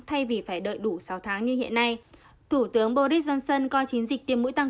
thay vì phải đợi đủ sáu tháng như hiện nay thủ tướng boris johnson coi chiến dịch tiêm mũi tăng